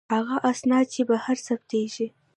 هغه اسناد چې بهر ثبتیږي.